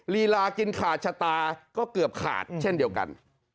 ลีลากินขาดชะตาก็เกือบขาดเช่นเดียวกัน